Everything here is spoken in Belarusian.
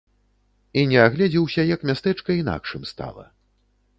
І не агледзеўся як мястэчка інакшым стала.